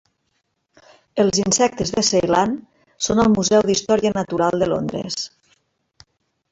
Els insectes de Ceilan són al Museu d'Història Natural de Londres.